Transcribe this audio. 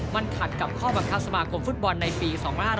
มันขัดกับข้อบังคับสมาคมฟุตบอลในปี๒๕๕๙